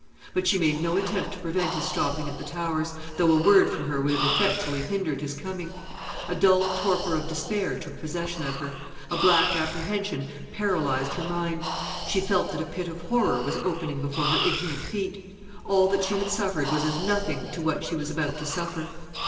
But she made no attempt to prevent his stopping at the Towers, though a word from her would have effectually hindered his coming. A dull torpor of despair took possession of her; a black apprehension paralysed her mind. She felt that a pit of horror was opening before her ignorant feet. All that she had suffered was as nothing to what she was about to suffer.